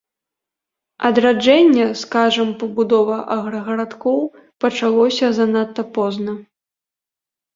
Адраджэнне, скажам, пабудова аграгарадкоў, пачалося занадта позна.